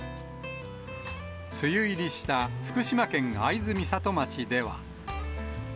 梅雨入りした福島県会津美里町では。